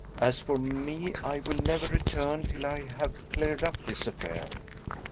As for me, I will never return till I have cleared up this affair."